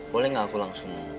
boleh gak aku langsung